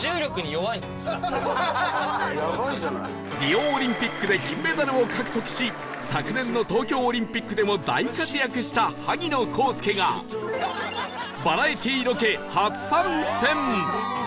リオオリンピックで金メダルを獲得し昨年の東京オリンピックでも大活躍した萩野公介がバラエティロケ初参戦！